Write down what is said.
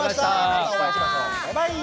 またお会いしましょうバイバイ！